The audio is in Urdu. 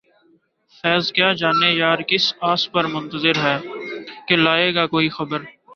فیضؔ کیا جانیے یار کس آس پر منتظر ہیں کہ لائے گا کوئی خبر